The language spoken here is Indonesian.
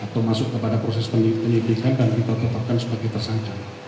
atau masuk kepada proses penyelidikan dan kita tetapkan sebagai tersangka